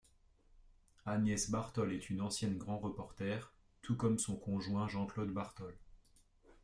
Agnès Bartoll est une ancienne grand reporter, tout comme son conjoint Jean-Claude Bartoll.